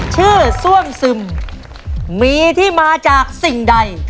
ซ่วมซึมมีที่มาจากสิ่งใด